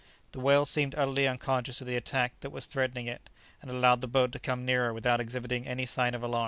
The whale seemed utterly unconscious of the attack that was threatening it, and allowed the boat to come nearer without exhibiting any sign of alarm.